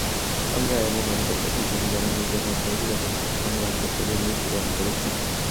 আমরা এমন অনেকের কথাই জানি, যাঁরা নির্যাতন প্রতিরোধের সংগ্রাম করতে গিয়ে মৃত্যুবরণ করেছেন।